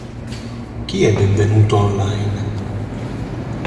Chi è benvenuto online?